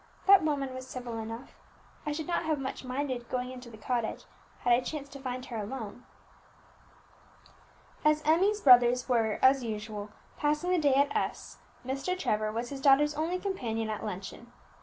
"That woman was civil enough; I should not have much minded going into the cottage had I chanced to find her alone." As Emmie's brothers were, as usual, passing the day at S , Mr. Trevor was his daughter's only companion at luncheon.